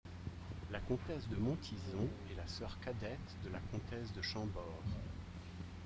La comtesse de Montizon est la sœur cadette de la comtesse de Chambord.